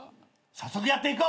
早速やっていこう！